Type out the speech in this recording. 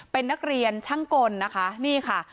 เป็นนักเรียนช่างกลนะคะนี่ค่ะ